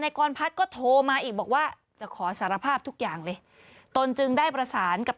กรพัฒน์ก็โทรมาอีกบอกว่าจะขอสารภาพทุกอย่างเลยตนจึงได้ประสานกับ